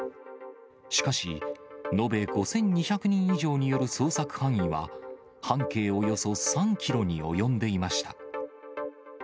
しかし、延べ５２００人以上による捜索範囲は、半径およそ３キロに及んでいました。